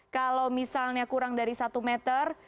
kalau misalnya kurang dari satu meter